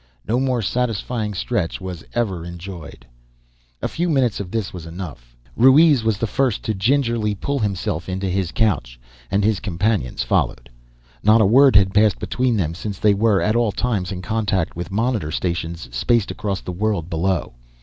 No more satisfying stretch was ever enjoyed. A few minutes of this was enough. Ruiz was the first to gingerly pull himself into his couch and his companions followed. Not a word had passed between them, since they were at all times in contact with monitor stations spaced across the world below.